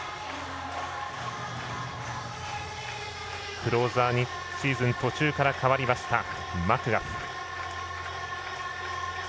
クローザーにシーズン途中から代わりました、マクガフ。